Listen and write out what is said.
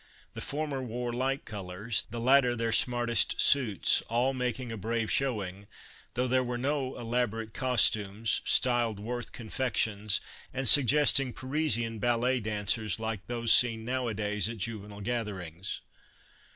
The former wore light colors, the latter their smartest suits, all making a brave showing, though there were no elaborate costumes, styled Worth confections and suggesting Parisian ballet dancers, like those seen nowadays at juvenile gatherings.